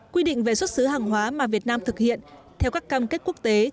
quy định về xuất xứ hàng hóa mà việt nam thực hiện theo các cam kết quốc tế